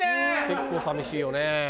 結構寂しいよね。